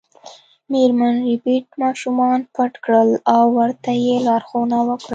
میرمن ربیټ ماشومان پټ کړل او ورته یې لارښوونه وکړه